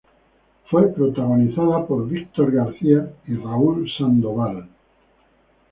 Fue protagonizada por Víctor García y Raúl Sandoval.